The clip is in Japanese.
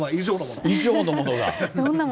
以上のものが。